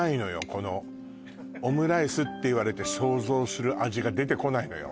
このオムライスっていわれて想像する味が出てこないのよ・